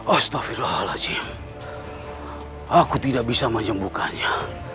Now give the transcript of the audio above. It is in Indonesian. astaghfirullahaladzim aku tidak bisa menjemputkannya